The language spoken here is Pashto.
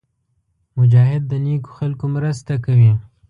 مجاهد د نېکو خلکو مرسته کوي.